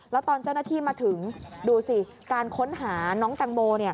แล้วตอนเจ้าหน้าที่มาถึงดูสิการค้นหาน้องแตงโม